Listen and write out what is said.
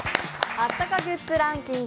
あったかグッズランキング